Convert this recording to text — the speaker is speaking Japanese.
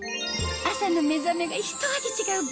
朝の目覚めがひと味違うのお値段は？